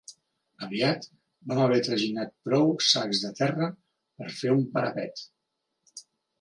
Aviat vam haver traginat prou sacs de terra per fer un parapet